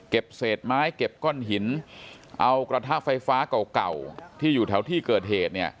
เศษไม้เก็บก้อนหินเอากระทะไฟฟ้าเก่าที่อยู่แถวที่เกิดเหตุเนี่ย